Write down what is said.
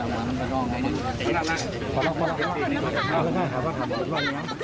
ขึ้นเร็ว